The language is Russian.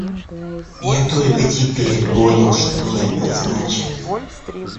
Я только теперь понял, что это значит.